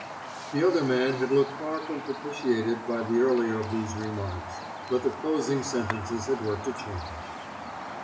The other big man had looked far from propitiated by the earlier of these remarks, but the closing sentences had worked a change.